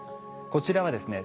こちらはですね